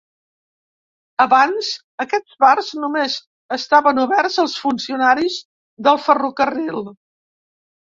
Abans, aquests bars només estaven oberts als funcionaris del ferrocarril.